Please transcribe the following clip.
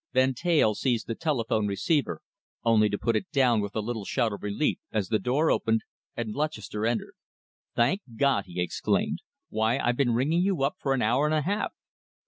Van Teyl seized the telephone receiver, only to put it down with a little shout of relief as the door opened and Lutchester entered. "Thank God!" he exclaimed. "Why, I've been ringing you up for an hour and a half."